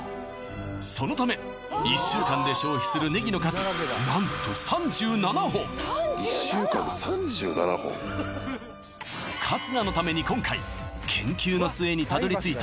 そのため１週間で消費するねぎの数何と春日のために今回研究の末にたどり着いた